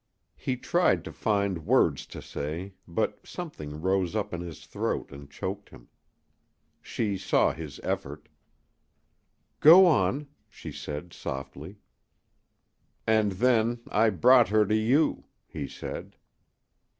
He tried to find words to say, but something rose up in his throat and choked him. She saw his effort. "Go on," she said, softly. "And then I brought her to you," he said.